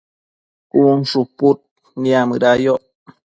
cun shupud niamëda yoc